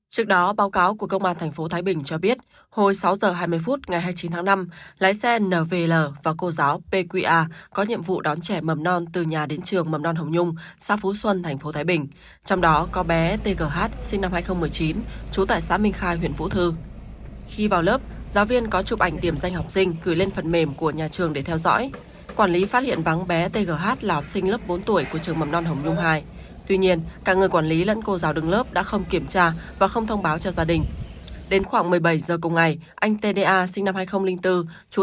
trước đó báo cáo của công an tp thái bình cho biết hồi sáu giờ hai mươi phút ngày hai mươi chín tháng năm lái xe nvl và cô giáo pqa có nhiệm vụ đón trẻ mầm non từ nhà đến trường mầm non hồng nhung xa phú xuân tp thái bình trong đó có bé t g h sinh năm hai nghìn một mươi chín trú tại xã minh khai huyện phú thư